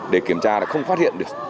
để kiểm tra là không phát hiện được